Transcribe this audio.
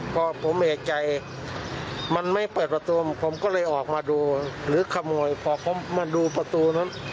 พอผมเอกใจมันไม่เปิดประตูผมก็เลยออกมาดูหรือขโมยพอเขามาดูประตูนั้น